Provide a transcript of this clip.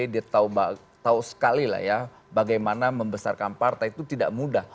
dia tahu sekali lah ya bagaimana membesarkan partai itu tidak mudah